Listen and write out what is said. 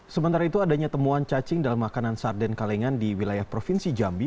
sementara itu adanya temuan cacing dalam makanan sarden kalengan di wilayah provinsi jambi